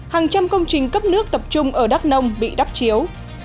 hàng trăm công trình cấp nước tập trung ở đắk nông bị đắp chiếu